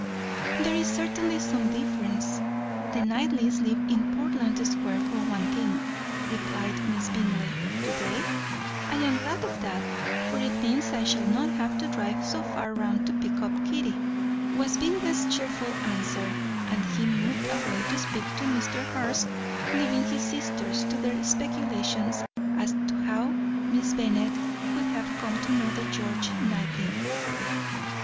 "There is certainly some difference; the Knightleys live in Portland Square, for one thing," replied Miss Bingley. "Do they? I am glad of that, for it means I shall not have to drive so far round to pick Kitty up," was Bingley's cheerful answer, and he moved away to speak to Mr. Hurst, leaving his sisters to their speculations as to how Miss Bennet could have come to know the George Knightleys.